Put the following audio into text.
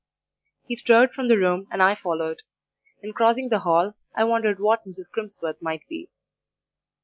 "He strode from the room, and I followed. In crossing the hall, I wondered what Mrs. Crimsworth might be.